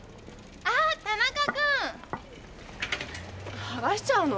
あっ田中君。はがしちゃうの？